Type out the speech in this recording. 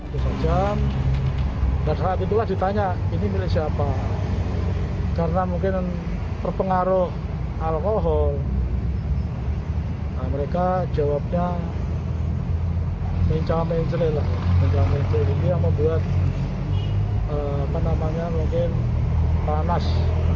mencang mencang ini yang membuat penamanya mungkin panas